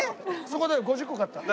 そこで５０個買った。